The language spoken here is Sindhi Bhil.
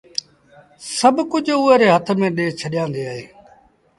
سڀ ڪجھ اُئي ري هٿ ميݩ ڏي ڇڏيآندي اهي۔